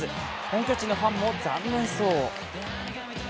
本拠地のファンも残念そう。